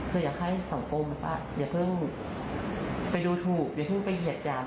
คืออยากให้สังคมอย่าเพิ่งไปดูถูกอย่าเพิ่งไปเหยียดหยาม